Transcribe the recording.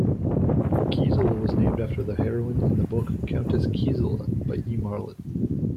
Gisela was named after the heroine in the book "Countess Gisela" by E. Marlitt.